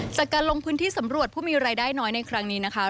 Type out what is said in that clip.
จากการลงพื้นที่สำรวจผู้มีรายได้น้อยในครั้งนี้นะคะ